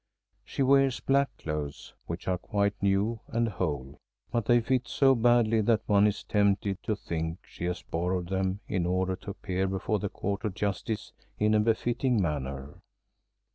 She wears black clothes, which are quite new and whole, but they fit so badly that one is tempted to think she has borrowed them in order to appear before the Court of Justice in a befitting manner.